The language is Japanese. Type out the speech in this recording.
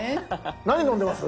何のんでます？